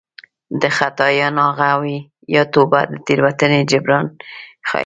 د خطا یا ناغه وي یا توبه د تېروتنې جبران ښيي